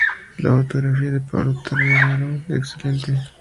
La fotografía de Pablo Tabernero, excelente.